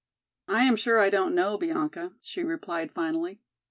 "I am sure I don't know, Bianca," she replied finally.